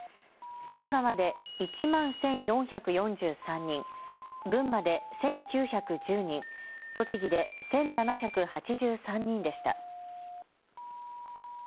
神奈川で１万１４４３人、群馬で１９１０人、栃木で１７８３人でした。